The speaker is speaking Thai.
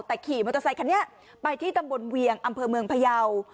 แต่ขี่มอเตอร์ไซคันนี้ไปที่ตำบลเวียงอำเภอเมืองพยาว